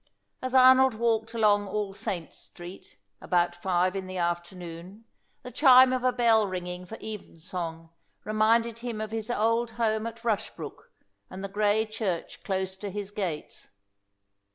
As Arnold walked along All Saints' Street, about five in the afternoon, the chime of a bell ringing for evensong reminded him of his old home at Rushbrook and the grey church close to his gates.